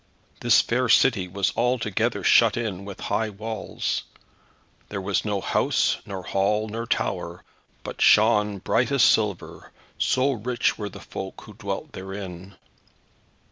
This fair city was altogether shut in with high walls. There was no house, nor hall, nor tower, but shone bright as silver, so rich were the folk who dwelt therein.